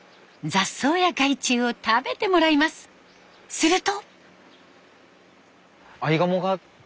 すると。